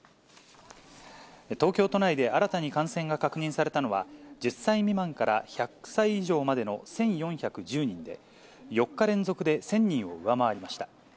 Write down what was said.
東京都内で新たに感染が確認されたのは、１０歳未満から１００歳以上までの１４１０人で、４日連続で１０００人を上回りました。